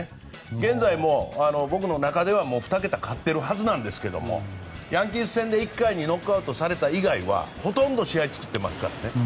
現在も僕の中では２桁勝ってるはずなんですがヤンキース戦で１回でノックアウトされた以外はほとんど試合作ってますからね。